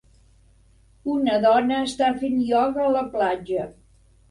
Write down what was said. Una dona està fent ioga a la platja.